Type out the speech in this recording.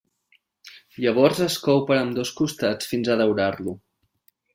Llavors es cou per ambdós costats fins a daurar-lo.